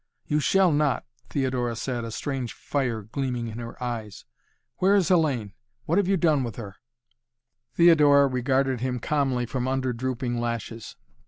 "You shall not," Theodora said, a strange fire gleaming in her eyes. "Where is Hellayne? What have you done with her?" Theodora regarded him calmly from under drooping lashes.